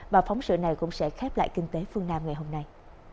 và phóng sự này cũng sẽ khép lại kinh tế phương nam ngày hôm nay